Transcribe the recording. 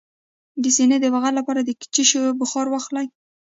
د سینې د بغل لپاره د کوم شي بخار واخلئ؟